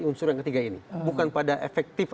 unsur yang ketiga ini bukan pada efektif